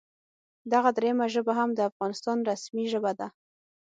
دغه دریمه ژبه هم د افغانستان رسمي ژبه ده